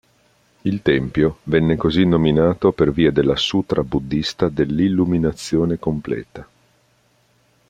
Il tempio venne così nominato per via della sutra buddhista dell"'illuminazione completa".